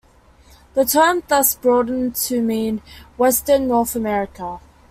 The term thus broadened to mean "Western North America".